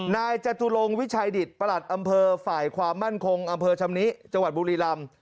จตุลงวิชัยดิตประหลัดอำเภอฝ่ายความมั่นคงอำเภอชำนิจังหวัดบุรีรำ